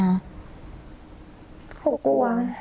เขากลัว